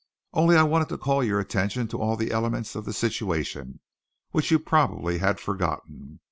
Only I wanted to call your attention to all the elements of the situation, which you probably had forgotten.